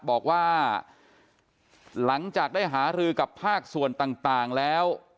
บอกว่าหลังจากได้หารือกับภาคส่วนต่างแล้ว